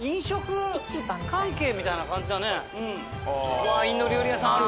うわインド料理屋さんある。